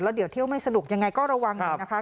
แล้วเดี๋ยวเที่ยวไม่สนุกยังไงก็ระวังนะคะ